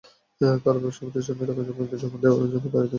তাঁরা ব্যবসা প্রতিষ্ঠানের টাকা ব্যাংকে জমা দেওয়ার জন্য গাড়ি থেকে নামছিলেন।